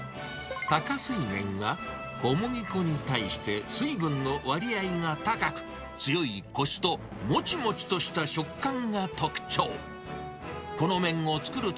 多加水麺は、小麦粉に対して、水分の割合が高く、強いコシともちもちとした食感が特徴。